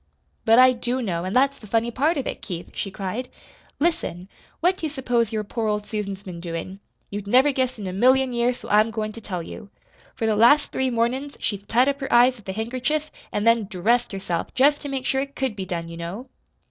"But I do know, an' that's the funny part of it, Keith," she cried. "Listen! What do you s'pose your poor old Susan's been doin'? You'd never guess in a million years, so I'm goin' to tell you. For the last three mornin's she's tied up her eyes with a handkerchief an' then DRESSED herself, jest to make sure it COULD be done, you know."